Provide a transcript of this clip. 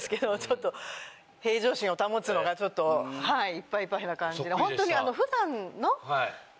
いっぱいいっぱいな感じで。